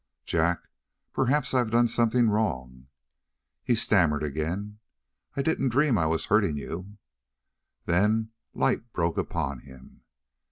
"Jack perhaps I've done something wrong " He stammered again: "I didn't dream I was hurting you " Then light broke upon him.